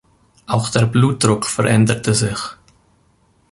Auch der Blutdruck veränderte sich.